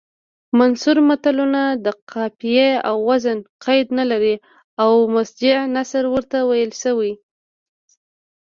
منثور متلونه د قافیې او وزن قید نلري او مسجع نثر ورته ویلی شو